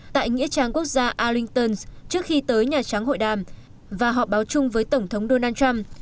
tại nghĩa trang quốc gia allington trước khi tới nhà trắng hội đàm và họ báo chung với tổng thống donald trump